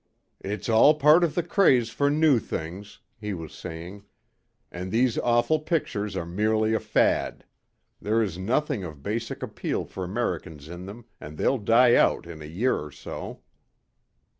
"It's all part of the craze for new things," he was saying, "and these awful pictures are merely a fad. There is nothing of basic appeal for Americans in them and they'll die out in a year or so."